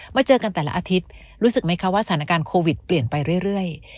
เจอกันแต่ละอาทิตย์รู้สึกไหมคะว่าสถานการณ์โควิดเปลี่ยนไปเรื่อย